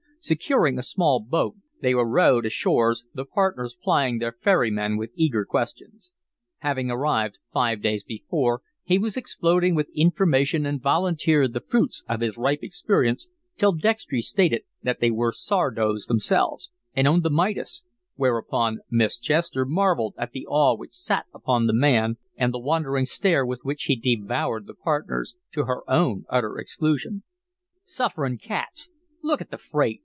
Securing a small boat, they were rowed ashores the partners plying their ferryman with eager questions. Having arrived five days before, he was exploding with information and volunteered the fruits of his ripe experience till Dextry stated that they were "sourdoughs" themselves, and owned the Midas, whereupon Miss Chester marvelled at the awe which sat upon the man and the wondering stare with which he devoured the partners, to her own utter exclusion. "Sufferin' cats! Look at the freight!"